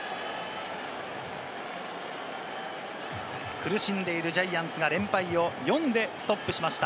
苦しんでいるジャイアンツが連敗を４でストップしました。